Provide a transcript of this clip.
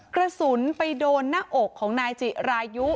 กระสุนไปโดนหน้าอกของนายจิรายุ